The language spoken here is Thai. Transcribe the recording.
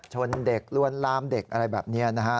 ชนเด็กลวนลามเด็กอะไรแบบนี้นะฮะ